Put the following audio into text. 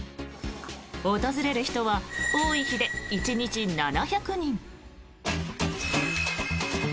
訪れる人は多い日で１日７００人。